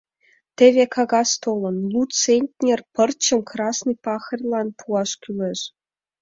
Теве кагаз толын — лу центнер пырчым «Красный пахарьлан» пуаш кӱлеш.